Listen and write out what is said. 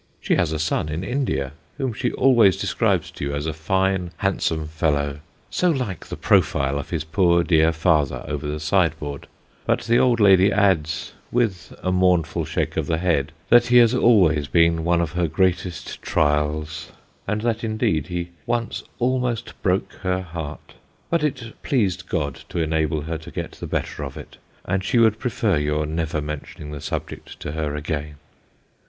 She has a son in India, whom she always describes to you as a fine, handsome fellow so like the profile of his poor dear father over the sideboard, but the old lady adds, with a mournful shake of the head, that he has always been one of her greatest trials ; and that indeed he once almost broke her heart ; but it pleased God to enable her to get the better of it, and she would prefer your never mentioning the subject to her again.